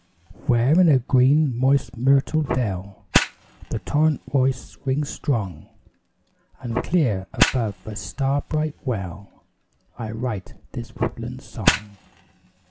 Where in a green, moist, myrtle dell The torrent voice rings strong And clear, above a star bright well, I write this woodland song.